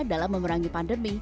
dalam memerangi pandemi